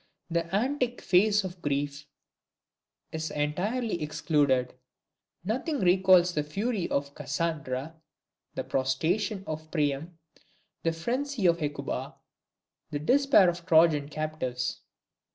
The antique face of grief is entirely excluded. Nothing recalls the fury of Cassandra, the prostration of Priam, the frenzy of Hecuba, the despair of the Trojan captives.